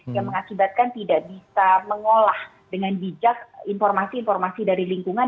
yang mengakibatkan tidak bisa mengolah dengan bijak informasi informasi dari lingkungan